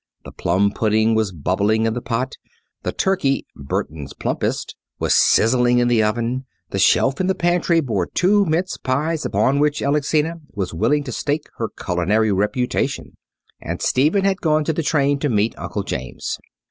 The plum pudding was bubbling in the pot, the turkey Burton's plumpest was sizzling in the oven. The shelf in the pantry bore two mince pies upon which Alexina was willing to stake her culinary reputation. And Stephen had gone to the train to meet Uncle James.